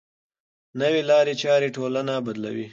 نوې لارې چارې ټولنه بدلوي.